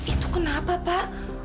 itu kenapa pak